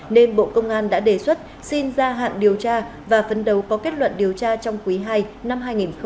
nên bộ công an đã đề xuất xin gia hạn điều tra và phấn đấu có kết luận điều tra trong quý ii năm hai nghìn hai mươi bốn